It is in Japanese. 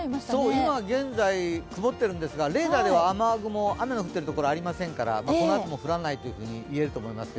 今現在曇っているんですが、レーダーでは雨の降っているところはありませんからこのあとも降らないというふうにいえると思います。